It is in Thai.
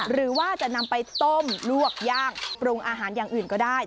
หรือว่าจะนำไปต้มลวกย่างปรุงอาหารอย่างอื่นก็ได้